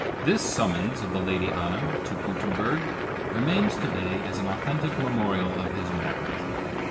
This summons of the Lady Anna to Gutenberg remains to day as an authentic memorial of his marriage.